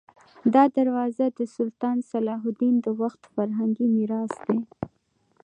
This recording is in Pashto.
دا دروازه د سلطان صلاح الدین د وخت فرهنګي میراث دی.